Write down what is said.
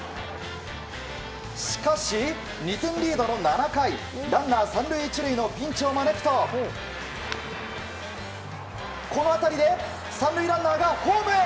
しかし、２点リードの７回ランナー３塁１塁のピンチを招くとこの当たりで３塁ランナーがホームへ！